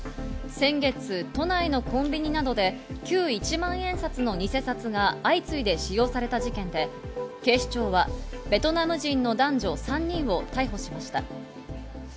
先月、都内のコンビニなどで旧１万円札の偽札が相次いで使用された事件で、警視庁はベトナム人の男女３人を逮捕しました。